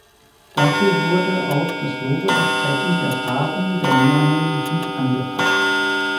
Dafür wurde auch das Logo entsprechend der Farben der Miami Heat angepasst.